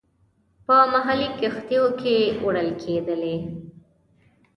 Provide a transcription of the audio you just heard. په محلي کښتیو کې وړل کېدلې.